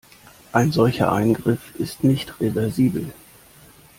Ein solcher Eingriff ist nicht reversibel.